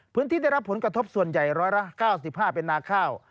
พื้นที่ได้รับผลกระทบส่วนใหญ่ร้อยละ๙๕เป็นนาข้าว